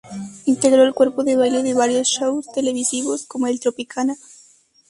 Integró el cuerpo de baile de varios shows televisivos, como el "Tropicana".